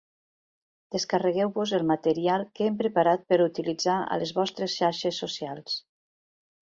Descarregueu-vos el material que hem preparat per utilitzar a les vostres xarxes socials.